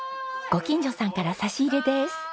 ご近所さんから差し入れです。